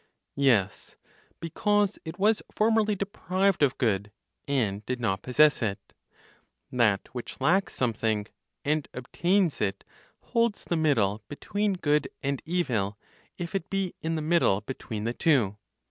Yes, because it was formerly deprived of good, and did not possess it. That which lacks something, and obtains it, holds the middle between good and evil, if it be in the middle between the two.